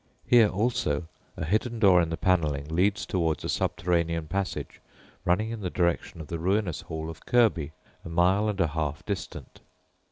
Here also a hidden door in the panelling leads towards a subterranean passage running in the direction of the ruinous hall of Kirby, a mile and a half distant.